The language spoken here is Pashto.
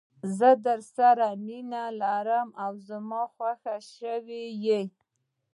زه درسره مینه لرم او زما خوښه شوي یې.